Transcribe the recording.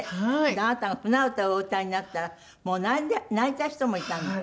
あなたが『舟唄』をお歌いになったらもう泣いた人もいたんだって？